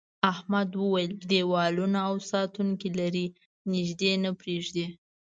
احمد وویل دیوالونه او ساتونکي لري نږدې نه پرېږدي.